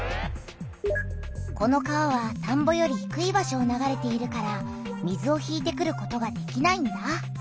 この川は田んぼよりひくい場所を流れているから水を引いてくることができないんだ！